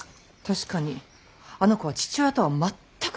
確かにあの子は父親とは全く逆。